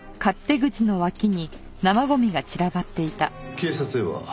警察へは？